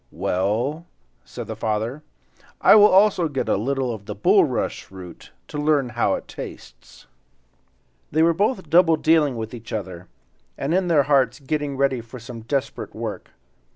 "Well," said the father, "I will also get a little of the bulrush root, to learn how it tastes." They were both double dealing with each other, and in their hearts getting ready for some desperate work.